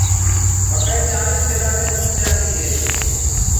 مڪآئي چآݪيس دنآ مي تيآر هوجآندي هي۔